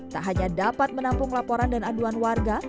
tak hanya dapat menampung laporan dan aduan warga